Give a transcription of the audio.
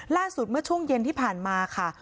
เมื่อช่วงเย็นที่ผ่านมาค่ะ